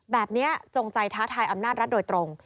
จงใจท้าทายอำนาจรัฐโดยตรง